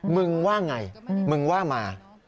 มึงว่าอย่างไรมึงว่ามา